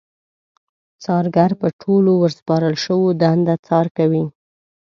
څارګر په ټولو ورسپارل شويو دنده څار کوي.